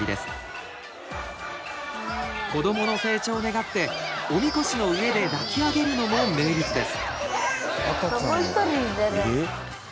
子どもの成長を願っておみこしの上で抱き上げるのも名物です。